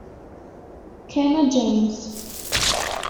Kenna James